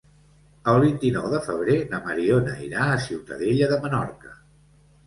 El vint-i-nou de febrer na Mariona irà a Ciutadella de Menorca.